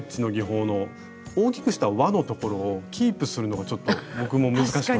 大きくした輪のところをキープするのがちょっと僕も難しかったです。